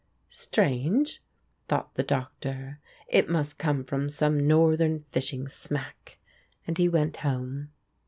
"Strange," thought the Doctor, "it must come from some Northern fishing smack," and he went home.